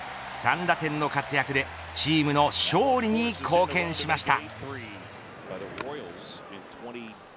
３打点の活躍でチームの勝利に貢献しました。